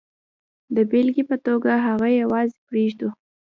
د بېلګې په توګه هغه یوازې پرېږدو.